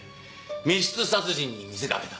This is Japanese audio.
密室殺人に見せかけた。